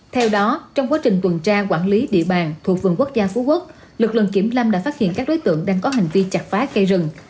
theo đó trong quá trình tuần tra quản lý địa bàn thuộc vườn quốc gia phú quốc lực lượng kiểm lâm đã phát hiện các đối tượng đang có hành vi chặt phá cây rừng